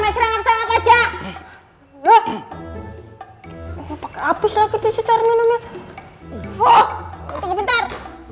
mesra mesra kaca loh pakai abis lagi disitu terminum ya oh bentar